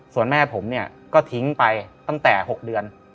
ส่วนแม่ผมเนี่ยก็ทิ้งไปตั้งแต่๖เดือน